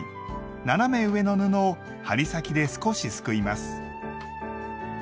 斜め上の布を針先で少しすくいます。